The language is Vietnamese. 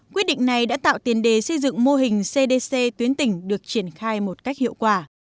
quyết định này đã tạo tiền đề xây dựng mô hình cdc tuyến tỉnh được triển khai một cách hiệu quả